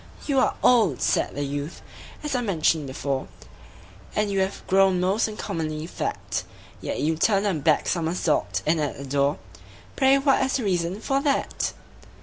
"You are old," said the youth, "as I mentioned before, And you have grown most uncommonly fat; Yet you turned a back somersault in at the door Pray what is the reason for that?"